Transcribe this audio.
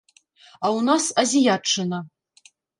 А ў нас азіятчына.